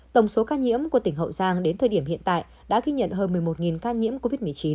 tổng số ca nhiễm của tỉnh hậu giang đến thời điểm hiện tại đã ghi nhận hơn một mươi một ca nhiễm covid một mươi chín